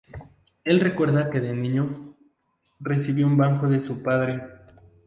Él recuerda que de niño, recibió un banjo de su padre.